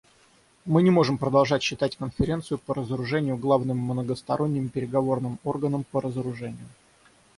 Мы не можем продолжать считать Конференцию по разоружению главным многосторонним переговорным органом по разоружению.